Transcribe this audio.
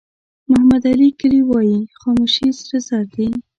محمد علي کلي وایي خاموشي سره زر ده.